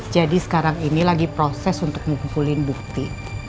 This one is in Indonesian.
jadi sekarang ini lagi proses untuk mengumpulin bukti